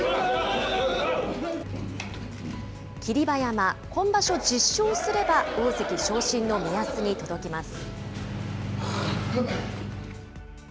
霧馬山、今場所１０勝すれば、大関昇進の目安に届きます。